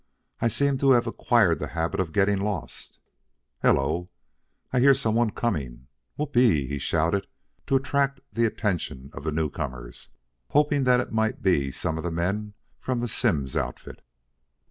"I seem to have acquired the habit of getting lost. Hello, I hear some one coming. W h o o p e e!" he shouted to attract the attention of the newcomers, hoping that it might be some of the men from the Simms outfit.